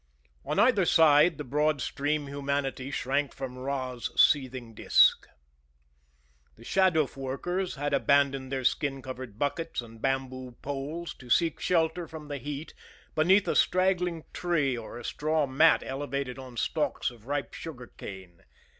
On either side the broad stream humanity shrank from Ra's seething disc. The shaduf workers had abandoned their skin covered buckets and bamboo poles to seek shelter from the heat beneath a straggling tree or a straw mat elevated on stalks of ripe sugar cane.